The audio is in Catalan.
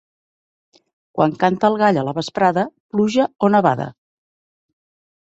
Quan canta el gall a la vesprada, pluja o nevada.